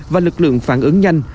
và lực lượng phản ứng nhanh